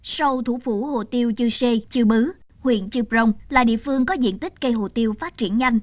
sau thủ phủ hồ tiêu chư sê chư bứ huyện chư prong là địa phương có diện tích cây hổ tiêu phát triển nhanh